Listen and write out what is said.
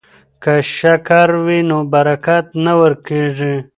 که شکر وي نو برکت نه ورکیږي.